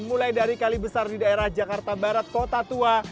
mulai dari kali besar di daerah jakarta barat kota tua